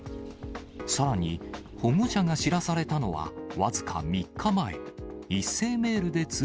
さらに、保護者が知らされたのは僅か３日前。